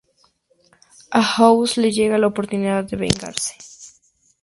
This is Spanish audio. A House le llega la oportunidad de vengarse.